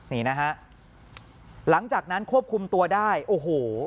นี่นะฮะหลังจากนั้นควบคุมตัวได้โอ้โห